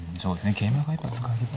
桂馬がやっぱ使われると。